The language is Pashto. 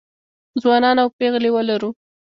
ځوانان او پېغلې ولرو